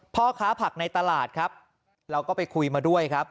พ่อค้าผักในตลาดครับเราก็ไปคุยมาด้วยครับ